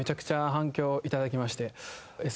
いただきまして。